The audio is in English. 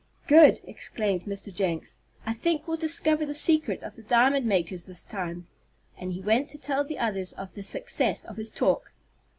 "Good!" exclaimed Mr. Jenks. "I think we'll discover the secret of the diamond makers this time," and he went to tell the others of the success of his talk.